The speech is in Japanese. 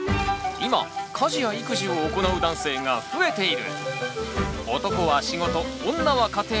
今家事や育児を行う男性が増えている！